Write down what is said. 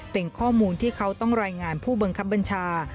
เป็นข้อมูลที่เขาต้องรายงานผู้บังคับบัญชา